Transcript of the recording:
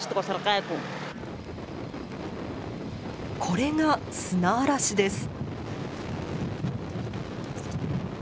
これが砂嵐です。